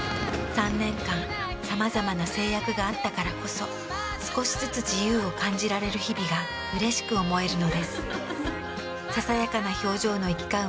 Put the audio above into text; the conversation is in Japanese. ３年間さまざまな制約があったからこそ少しずつ自由を感じられる日々がうれしく思えるのです。